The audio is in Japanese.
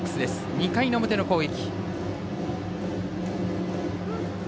２回の表の攻撃。